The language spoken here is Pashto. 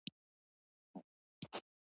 انار د افغان کلتور سره تړاو لري.